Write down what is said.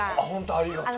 ありがとう。